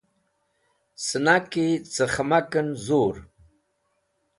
Sẽnaki ce khẽmakẽn zur.